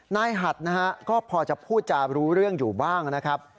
หัดนะฮะก็พอจะพูดจารู้เรื่องอยู่บ้างนะครับ